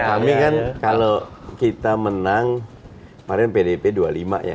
kami kan kalau kita menang kemarin pdp dua puluh lima ya